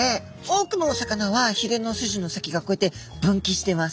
多くのお魚はひれの筋の先がこうやって分岐してます。